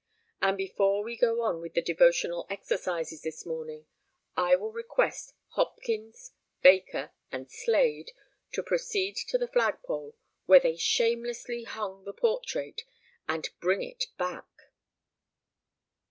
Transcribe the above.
"And before we go on with the devotional exercises this morning I will request Hopkins, Baker and Slade to proceed to the flagpole, where they shamelessly hung the portrait, and bring it back!"